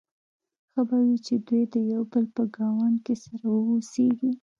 ښه به وي چې دوی د یو بل په ګاونډ کې سره واوسيږي.